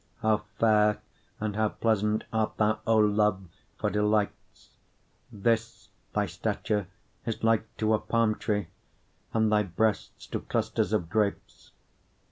7:6 How fair and how pleasant art thou, O love, for delights! 7:7 This thy stature is like to a palm tree, and thy breasts to clusters of grapes.